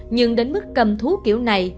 nhưng đến mức cầm thú kiểu này